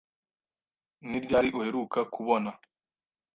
Ni ryari uheruka kubona?